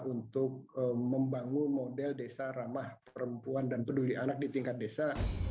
untuk membangun model desa ramah perempuan dan peduli anak di tingkat desa